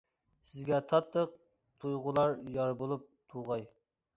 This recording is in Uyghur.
سىزگە تاتلىق تۇيغۇلار يار بولۇپ تۇغاي!